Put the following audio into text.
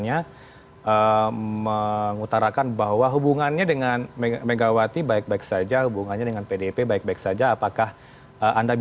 sembari disiapkan kami akan putarkan mas bawono soal statement pak jokowi kemarin ya di saat setelah setelah kegiatan